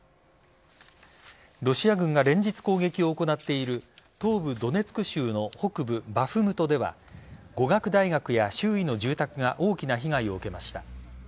ロシア軍が連日攻撃を行っている東部・ドネツク州の北部バフムトでは語学大学や周囲の住宅が大きな被害を受けました。